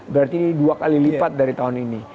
berarti ini dua kali lipat dari tahun ini